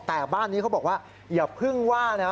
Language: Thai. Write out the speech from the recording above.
แต่บ้านนี้เขาบอกว่าอย่าเพิ่งว่านะ